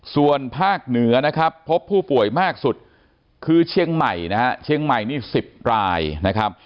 ส่วนภาคเหนือนะครับพบผู้ป่วยมากสุดคือเชียงใหม่นะฮะเชียงใหม่นี่๑๐รายนะครับ